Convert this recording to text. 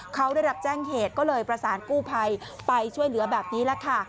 เขาได้รับแจ้งเหตุก็เลยประสานกู้ภัยไปช่วยเหลือแบบนี้แหละค่ะ